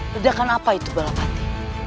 ledakan apa itu bala pati